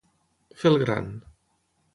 Fer el gran.